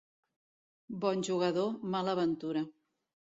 Bon jugador, mala ventura.